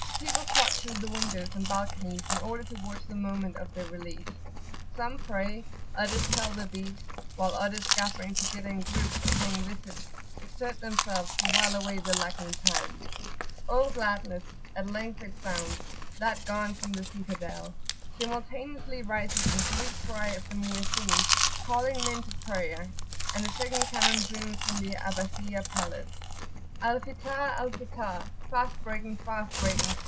People flock to the windows and balconies, in order to watch the moment of their release. Some pray, others tell their beads; while others, gathering together in groups or paying visits, exert themselves to while away the lagging time. O Gladness! at length it sounds, that gun from the citadel. Simultaneously rises the sweet cry of the Mu'ezzin, calling men to prayer, and the second cannon booms from the Abbasiyah Palace,[FN#8] "Al Fitar! Al [p.79]Fitar!" fast breaking! fast breaking!